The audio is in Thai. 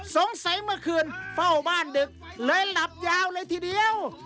เมื่อคืนเฝ้าบ้านดึกเลยหลับยาวเลยทีเดียว